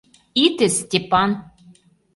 Ите, Степан!